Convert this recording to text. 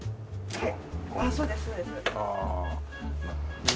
はい。